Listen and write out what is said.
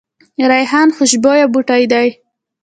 ریحان خوشبویه بوټی دی